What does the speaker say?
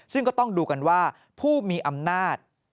ซึ่งก็ต้องดูกันว่าผู้มีอำนาจ